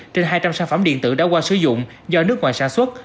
trên hai trăm linh sản phẩm điện tử đã qua sử dụng do nước ngoài sản xuất